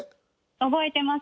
覚えてます。